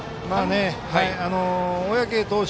小宅投手